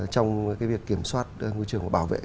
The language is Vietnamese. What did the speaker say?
trong cái việc kiểm soát ngôi trường và bảo vệ